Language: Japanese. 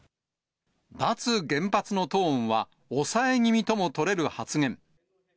脱原発のトーンは抑え気味とも取れる発言。